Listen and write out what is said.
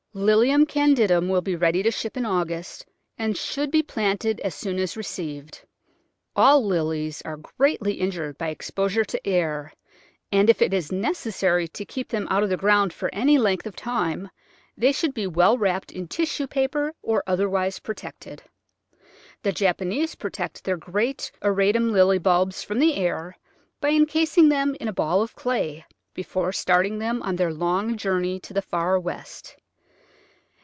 Lilium candidum will be ready to ship in August, and should be planted as soon as received. All Lilies are greatly injured by expos ure to air, and if it is necessary to keep them out of the ground for any length of time they should be well wrapped in tissue paper, or otherwise protected. The Japanese protect their great auratum Lily bulbs from the air by encasing them in a ball of clay before start ing them on their long journey to the far West.